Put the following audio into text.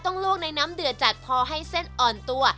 ลวกในน้ำเดือดจัดพอให้เส้นอ่อนตัว